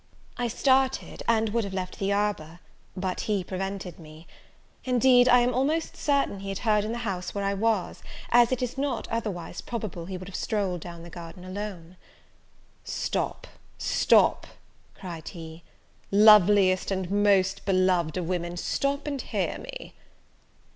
I started; and would have left the arbour, but he prevented me. Indeed, I am almost certain he had heard in the house where I was, as it is not, otherwise, probable he would have strolled down the garden alone. "Stop, stop," cried he, "loveliest and most beloved of women, stop and hear me!"